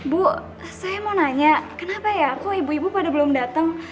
bu saya mau nanya kenapa ya aku ibu ibu pada belum datang